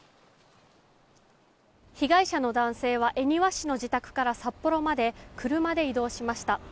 被害者の男性は恵庭市の自宅から札幌まで車で移動しました。